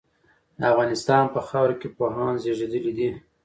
د افغانستان په خاوره کي پوهان زېږيدلي دي.